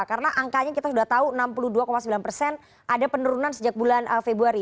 karena angkanya kita sudah tahu enam puluh dua sembilan persen ada penurunan sejak bulan februari